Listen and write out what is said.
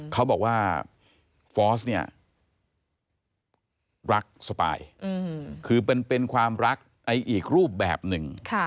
เขาบอกว่าฟอร์สเนี่ยรักสปายคือเป็นความรักในอีกรูปแบบหนึ่ง